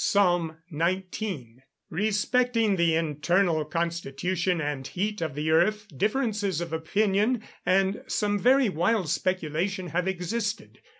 PSALM XIX.] Respecting the internal constitution and heat of the earth, differences of opinion, and some very wild speculation have existed.